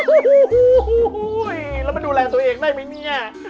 โอ้โหแล้วมันดูแลตัวเองได้ไหมเนี่ย